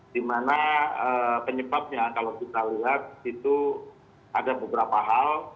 dimana penyebabnya kalau kita lihat itu ada beberapa hal